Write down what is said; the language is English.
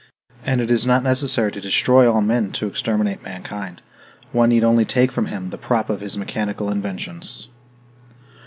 And it is not necessary to destroy all men in order to exterminate mankind; one need only take from him the prop of his mechanical inventions.